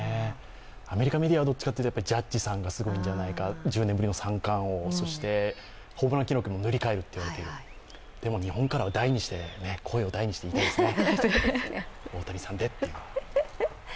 アメリカメディアはどっちかというとジャッジさんがすごいんじゃないか１０年ぶりの３冠王、そしてホームラン記録も塗り替えるといわれている、でも、日本からは声を大にして言いたいですね。